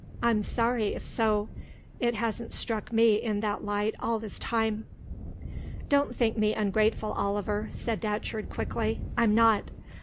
"I'm sorry if so. It hasn't struck me in that light all this time." "Don't think me ungrateful, Oliver," said Datcherd, quickly. "I'm not.